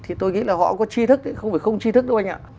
thì tôi nghĩ là họ có chi thức không phải không chi thức đâu anh ạ